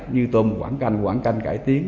như tôm quảng canh quảng canh cải tiến